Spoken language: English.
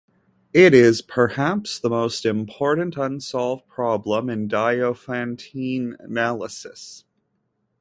It is perhaps the most important unsolved problem in diophantine analysis.